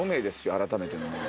改めて。